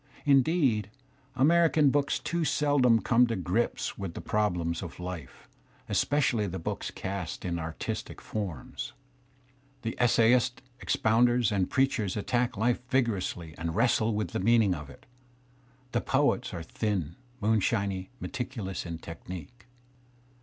Indeed, American ? books too seldom come to grips with the problems of life, especially the books cast in artistic forms. The essayists,, expounders, and preachers attack life vigorously and wrei^le with the meaning of it. The poets are thin, moonshinyV t meticulous in technique.